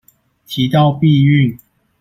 提到避孕